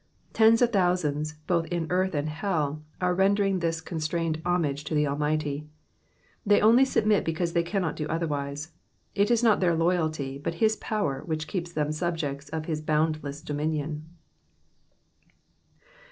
Tens of thousands, both in earth and hell, are rendering this constrained homage to the Almighty ; they only submit because they cannot do otherwise ; it is not their loyalty, but his power, which keeps them subjects of his boundless dominion.